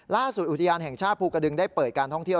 อุทยานแห่งชาติภูกระดึงได้เปิดการท่องเที่ยว